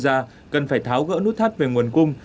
gia cần phải tháo gỡ nút thắt về nguồn cung